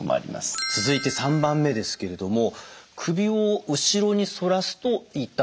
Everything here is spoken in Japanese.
続いて３番目ですけれども首を後ろに反らすと痛い